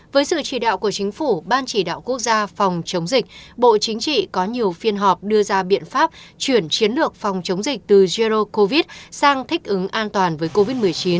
với sự chỉ đạo của chính phủ ban chỉ đạo quốc gia phòng chống dịch bộ chính trị có nhiều phiên họp đưa ra biện pháp chuyển chiến lược phòng chống dịch từ erdo covid sang thích ứng an toàn với covid một mươi chín